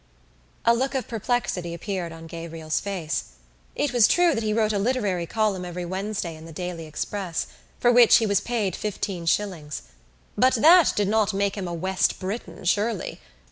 A look of perplexity appeared on Gabriel's face. It was true that he wrote a literary column every Wednesday in The Daily Express, for which he was paid fifteen shillings. But that did not make him a West Briton surely.